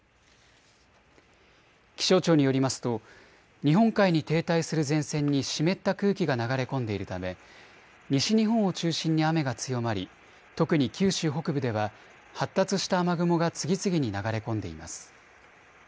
気象庁によりますと日本海に停滞する前線に湿った空気が流れ込んでいるため西日本を中心に雨が強まり特に九州北部では発達した雨雲が次々に流れ込んでいます。